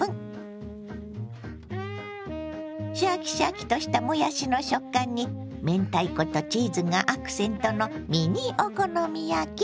シャキシャキとしたもやしの食感に明太子とチーズがアクセントのミニお好み焼き。